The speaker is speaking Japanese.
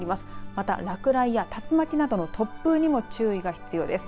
また、落雷や竜巻などの突風にも注意が必要です。